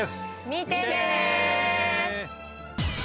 見てね！